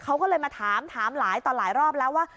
เขาก็เลยมาถามถามหลายต่อหลายรอบแล้วว่า